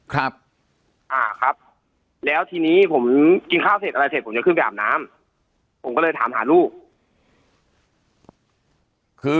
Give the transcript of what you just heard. ครับอ่าครับแล้วทีนี้ผมกินข้าวเสร็จอะไรเสร็จผมจะขึ้นไปอาบน้ำผมก็เลยถามหาลูกคือ